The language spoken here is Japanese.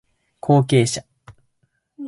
後継者